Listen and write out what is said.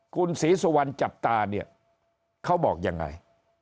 คุณศรีสุวรรณจับตาเนี่ยเขาบอกยังไง